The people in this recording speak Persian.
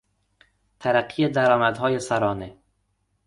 ترقی درآمدهای سرانه